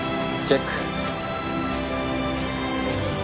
チェック。